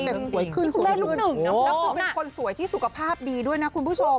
และเป็นคนสวยที่สุขภาพดีด้วยนะคุณผู้ชม